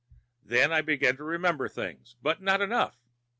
Then I began to remember things, but not enough.